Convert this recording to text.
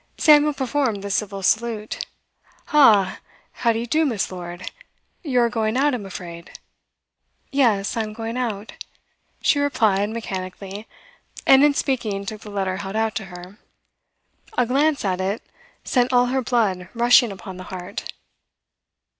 Samuel performed the civil salute. 'Ha! How do you do, Miss. Lord? You are going out, I'm afraid.' 'Yes, I am going out.' She replied mechanically, and in speaking took the letter held out to her. A glance at it sent all her blood rushing upon the heart.